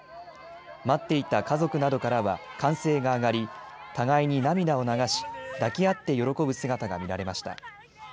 待っていた家族などからは歓声が上がり互いに涙を流し、抱き合って喜ぶ姿が見られました。